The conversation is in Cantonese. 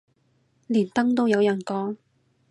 連登都有人講